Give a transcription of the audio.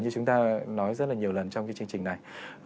như chúng ta nói rất là nhiều lần trong cái chương trình này